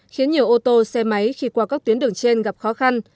khiến nhiều ô tô xe máy khi qua các tuyến đường trên gặp khó khăn